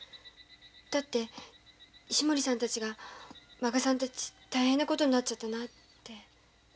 だって石森さんたちが満賀さんたち大変なことになっちゃったなって。